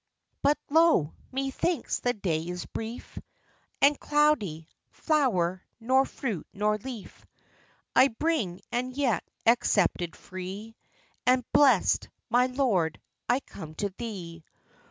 But lo! methinks the day is brief And cloudy; flower, nor fruit, nor leaf, I bring; and yet, accepted, free, And blest, my Lord, I come to Thee.